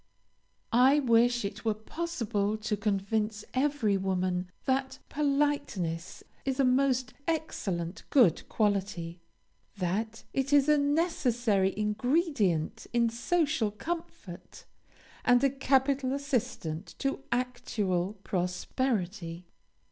I wish it were possible to convince every woman that politeness is a most excellent good quality; that it is a necessary ingredient in social comfort, and a capital assistant to actual prosperity.